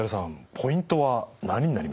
ポイントは何になりますか？